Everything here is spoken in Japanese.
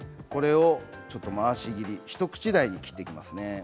これを回し切り一口大に切っていきますね。